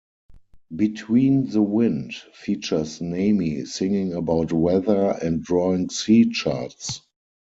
"Between the Wind" features Nami singing about weather and drawing sea charts.